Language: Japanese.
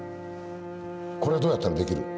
「これどうやったらできる？